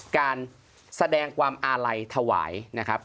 การแสดงความอาลัยถวายนะครับ